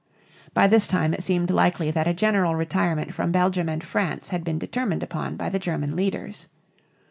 By this time it seemed likely that a general retirement from Belgium and France had been determined upon by the German leaders.